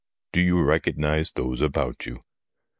Do you recognise those about you